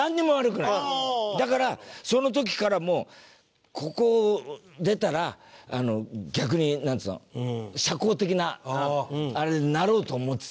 だからその時からもうここを出たら逆になんつうの社交的なあれになろうと思ってた。